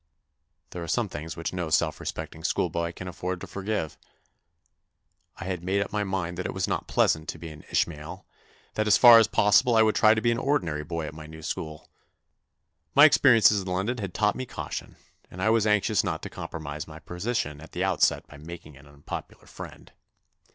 There are some things which no self respect ing schoolboy can afford to forgive. I had made up my mind that it was not pleasant to be an Ishmael, that as far as possible I would try to be an ordinary boy at my new school. My experiences in London had taught me caution, and I was anxious not to compromise my position at the outset by making an un popular friend.